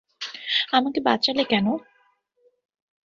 আমাকে বাঁচালে কেন?